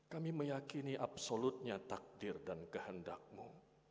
kami meyakini absolutnya takdir dan kehendakmu